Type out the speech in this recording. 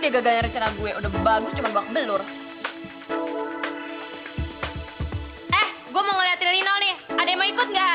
dia gagalnya rencana gue udah bagus cuma bak belur eh gue mau ngeliatin lino nih ada yang mau ikut nggak